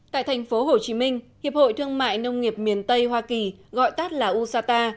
tại thành phố hồ chí minh hiệp hội thương mại nông nghiệp miền tây hoa kỳ gọi tắt là usata